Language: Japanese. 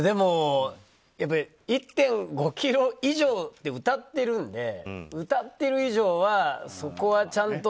１．５ｋｇ以上ってうたってるのでうたっている以上はそこはちゃんと。